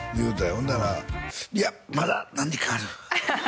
ほんなら「いやまだ何かある」